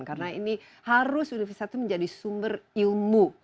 karena ini harus universitas itu menjadi sumber ilmu